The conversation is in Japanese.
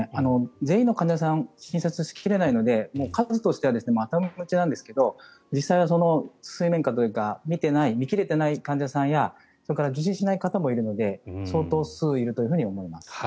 全員の患者さん診察しきれないので数としては頭打ちなんですが実際は水面下というと見切れていない患者さんやそれから受診しない方もいるので相当数いると思います。